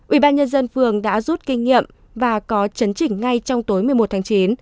ubnd phường đã rút kinh nghiệm và có chấn chỉnh ngay trong tối một mươi một tháng chín